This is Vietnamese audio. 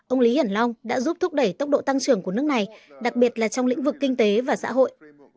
ông lý hiển long đã giúp thúc đẩy tốc độ tăng trưởng của nước này đặc biệt là trong lĩnh vực kinh tế và xã hội